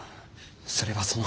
それはその。